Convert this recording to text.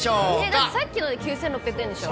だってさっきので９６００円でしょ？